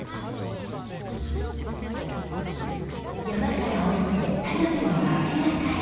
山から下りて田辺の町なかへ。